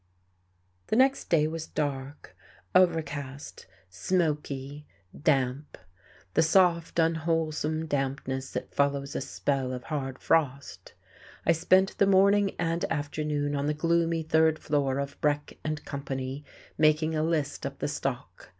The next day was dark, overcast, smoky, damp the soft, unwholesome dampness that follows a spell of hard frost. I spent the morning and afternoon on the gloomy third floor of Breck and Company, making a list of the stock.